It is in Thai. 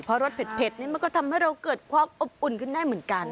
เพราะรสเผ็ดนี่มันก็ทำให้เราเกิดความอบอุ่นขึ้นได้เหมือนกัน